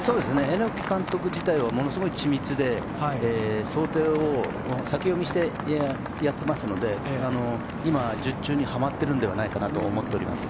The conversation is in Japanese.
榎木監督自体はものすごい緻密で想定を先読みしてやっていますので今、術中にはまっているのではないかなと思っています。